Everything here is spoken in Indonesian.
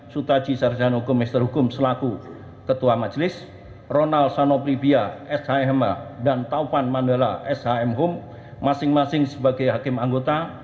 sutaji sarjano komester hukum selaku ketua majelis ronald sanopribia shmh dan taupan manuela shmh masing masing sebagai hakim anggota